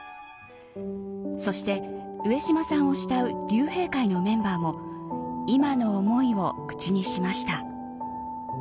そして、上島さんを慕う竜兵会のメンバーも今の思いを口にしました。